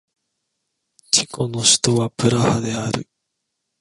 チェコの首都はプラハである